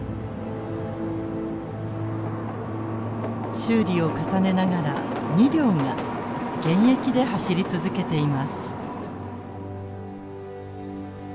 修理を重ねながら２両が現役で走り続けています。